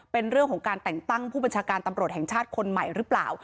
เป็นเรื่องของการแต่งตั้งผู้บัญชาการตำรวจแห่งชาติคนใหม่หรือเปล่า